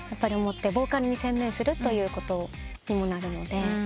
ボーカルに専念するということにもなるので。